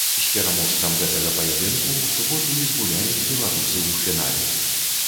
З пераможцам гэтага паядынку ў суботу і згуляюць беларусы ў фінале.